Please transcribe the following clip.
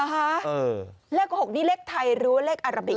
เหรอฮะเลข๖นี่เลขไทยหรือเลขอาราบิก